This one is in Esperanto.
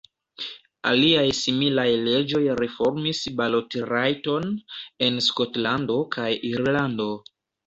Aliaj similaj leĝoj reformis balotrajton en Skotlando kaj Irlando.